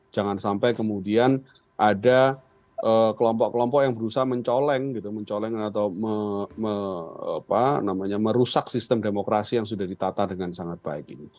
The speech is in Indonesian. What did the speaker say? jangan sampai kemudian ada kelompok kelompok yang berusaha mencoleng mencoleng atau merusak sistem demokrasi yang sudah ditata dengan sangat baik